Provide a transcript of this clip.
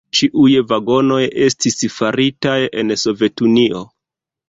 Ĉiuj vagonoj estis faritaj en Sovetunio.